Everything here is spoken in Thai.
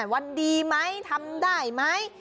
วันดีไหมทำได้ไหม